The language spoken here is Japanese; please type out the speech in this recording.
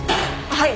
はい。